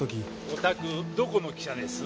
おたくどこの記者です？